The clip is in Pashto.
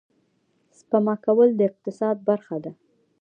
سپما کول د اقتصاد برخه ده